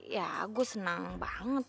ya gue senang banget